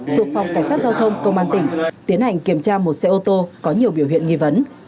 thuộc phòng cảnh sát giao thông công an tỉnh tiến hành kiểm tra một xe ô tô có nhiều biểu hiện nghi vấn